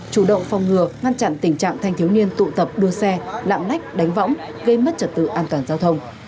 chủ động phòng ngừa ngăn chặn tình trạng thanh thiếu niên tụ tập đua xe lạng lách đánh võng gây mất trật tự an toàn giao thông